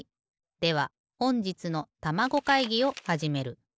ではほんじつのたまご会議をはじめる。